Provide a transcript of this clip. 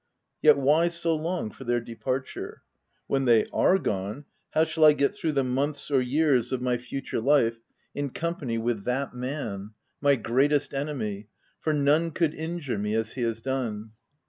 Yet why so long for their departure ? When they are gone how shall I get through the months or years of my future 304 THE TENANT life, in company with that man— my greatest enemy — for none could injure me as he has done